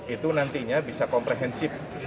itu nantinya bisa komprehensif